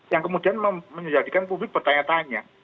yang kemudian menjadikan publik bertanya tanya